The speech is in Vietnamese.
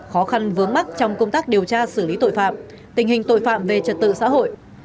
khó khăn vướng mắt trong công tác điều tra xử lý tội phạm tình hình tội phạm về trật tự xã hội